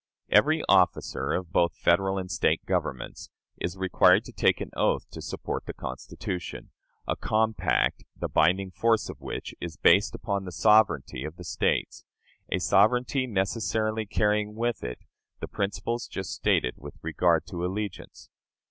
Every officer of both Federal and State governments is required to take an oath to support the Constitution, a compact the binding force of which is based upon the sovereignty of the States a sovereignty necessarily carrying with it the principles just stated with regard to allegiance.